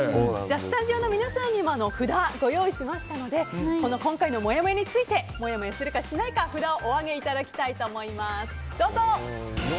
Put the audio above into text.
スタジオの皆さんにも札をご用意しましたのでこの今回のもやもやについてもやもやするか、しないか札をお上げいただきたいと思います。